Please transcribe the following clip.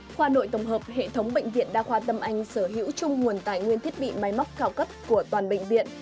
khoa nội tổng hợp hệ thống bệnh viện đa khoa tâm anh sở hữu chung nguồn tài nguyên thiết bị máy móc cao cấp của toàn bệnh viện